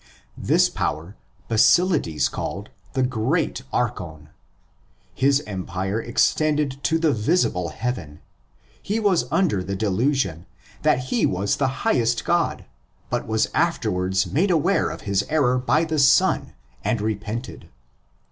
(This power Basilides called ''the great archon.'' His empire extended to the visible heaven; he was under the delusion that he was the highest God, but was after wards made aware of his error by the Son, and repented.)